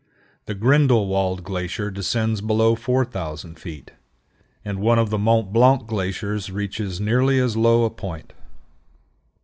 The Grindelwald glacier descends below 4000 feet, and one of the Mont Blanc glaciers reaches nearly as low a point.